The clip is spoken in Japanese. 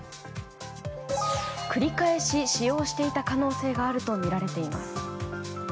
繰り返し使用していた可能性があるとみられています。